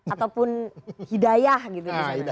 ataupun hidayah gitu